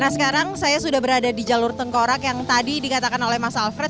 nah sekarang saya sudah berada di jalur tengkorak yang tadi dikatakan oleh mas alfred